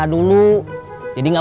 kau mau berangkat